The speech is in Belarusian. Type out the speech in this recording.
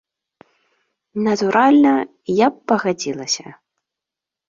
Натуральна, я б пагадзілася.